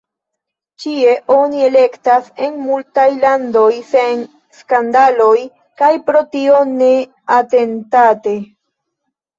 Ĉie oni elektas, en multaj landoj sen skandaloj kaj pro tio ne atentate.